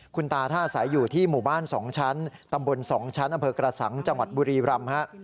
คุณตาท่านอาศัยอยู่ที่หมู่บ้าน๒ชั้นตำบล๒ชั้นอำเภอกระสังจังหวัดบุรีรำฮะ